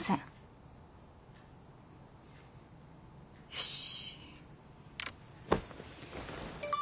よし！